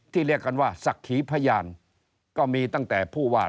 เรียกกันว่าศักดิ์ขีพยานก็มีตั้งแต่ผู้ว่า